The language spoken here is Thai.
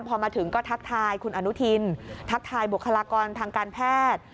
พอมาถึงก็ทักทายคุณอนุทินทักทายบุคลากรทางการแพทย์